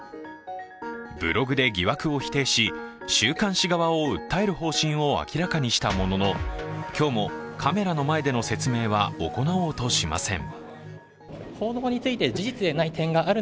ブログで疑惑を否定し、週刊誌側を訴える方針を明らかにしたものの今日もカメラの前での説明は行おうとしません。